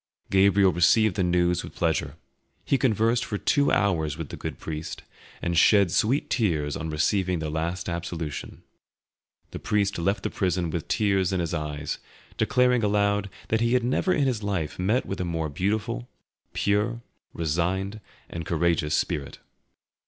Gabriel received the news with pleasure; he conversed for two hours with the good priest, and shed sweet tears on receiving the last absolution. The priest left the prison with tears in his eyes, declaring aloud that he had never in his life met with a more beautiful, pure, resigned, and courageous spirit.